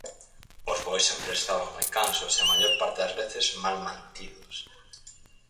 Os bois sempre estaban moi cansos, e a maior parte das veces mal mantidos...